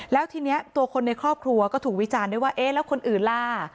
แล้วทีนี้ตัวคนในครอบครัวก็ถูกวิจารณ์ด้วยว่าเอ๊ะแล้วคนอื่นล่ะ